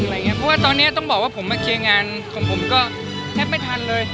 เพราะว่าตอนนี้ต้องบอกว่าผมมาเคลียร์งานของผมก็แทบไม่ทันเลย